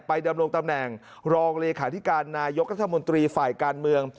ดำรงตำแหน่งรองเลขาธิการนายกรัฐมนตรีฝ่ายการเมือง